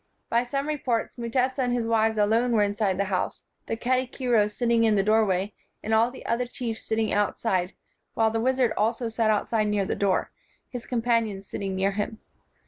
By some re ports, Mutesa and his wives alone were in side the house, the katikiro sitting in the doorway, and all the other chiefs sitting out side, while the wizard also sat outside near the door, his companions sitting near him.